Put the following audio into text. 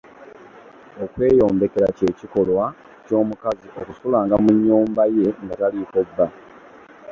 Okweyombekera kye kikolwa ky'omukazi okusulanga mu nnyumba ye nga taliiko bba.